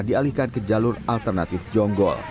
dialihkan ke jalur alternatif jonggol